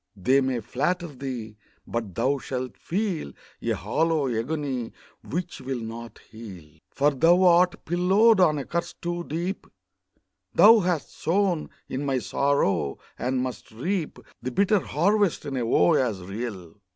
they may flatter thee, but thou shall feel A hollow agony which will not heal, For thou art pillowed on a curse too deep; Thou hast sown in my sorrow, and must reap The bitter harvest in a woe as real!